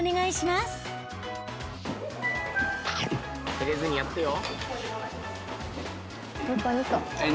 照れずにやってよ。